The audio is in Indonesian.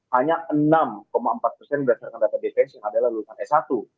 hanya enam empat persen berdasarkan data defensi yang adalah lulusan s satu